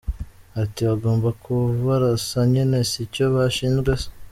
Ati: “Bagomba kubarasa nyine sicyo bashinzwe se?